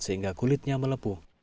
sehingga kulitnya melepuh